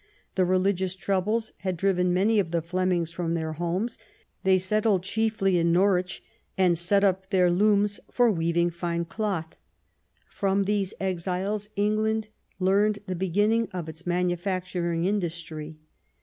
The religious troubles had driven many of the Flemings from their homes. They settled chiefly in Norwich, and set up their looms for weaving fine cloth. From these exiles England learned the beginning of its manufacturing industry.